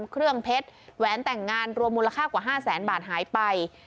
เครื่องเพชรแหวนแต่งงานรวมมูลค่ากว่า๕แสนบาทหายไป